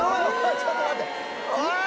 ちょっと待って。